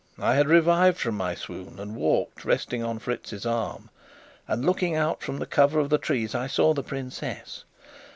I had revived from my swoon, and walked, resting on Fritz's arm; and looking out from the cover of the trees, I saw the princess.